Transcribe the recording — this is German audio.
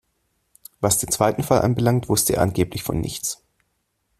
Was den zweiten Fall anbelangt, wusste er angeblich von nichts.